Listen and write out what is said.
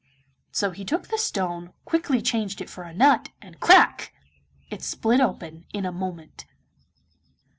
So he took the stone, quickly changed it for a nut, and crack! it split open in a moment.